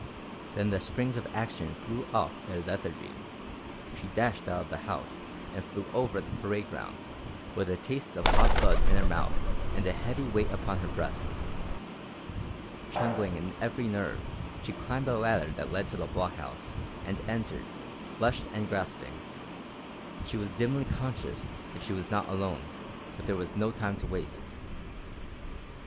Then the springs of action threw off their lethargy. She dashed out of the house and flew over the parade ground, with the taste of hot blood in her mouth and a heavy weight upon her breast. Trembling in every nerve, she climbed the ladder that led to the blockhouse, and entered, flushed and gasping. She was dimly conscious that she was not alone, but there was no time to waste.